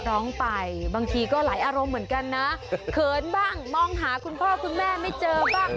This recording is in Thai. ร้องไปบางทีก็หลายอารมณ์เหมือนกันนะเขินบ้างมองหาคุณพ่อคุณแม่ไม่เจอบ้าง